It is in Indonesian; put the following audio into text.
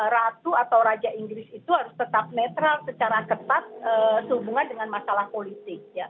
ratu atau raja inggris itu harus tetap netral secara ketat sehubungan dengan masalah politik